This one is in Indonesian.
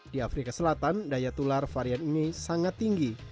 di afrika selatan daya tular varian ini sangat tinggi